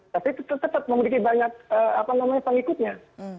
tapi tetap tetap memiliki banyak apa namanya pengikutnya